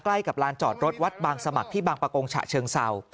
ใกล้กับลานจอดรถวัดบางสมัครที่บางประกงฉะเชิงเศร้า